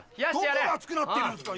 どこが熱くなってるんすか！